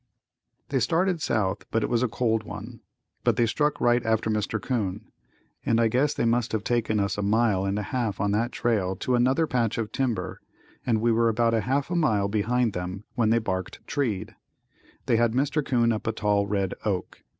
They started south but it was a cold one, but they struck right after Mr. 'Coon, and I guess they must have taken us a mile and a half on that trail to another patch of timber, and we were about a half a mile behind them when they barked treed. They had Mr. 'Coon up a tall red oak.